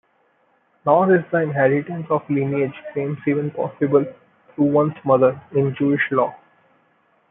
Nor is inheritance of lineage claims even possible through one's mother, in Jewish law.